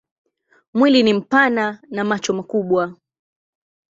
Mwili ni mpana na macho makubwa.